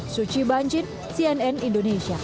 suci banjin cnn indonesia